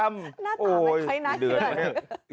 หน้าตาไม่ใช่หน้าที่นั่น